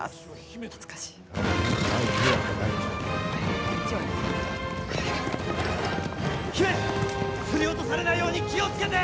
姫、振り落とされないように気を付けて！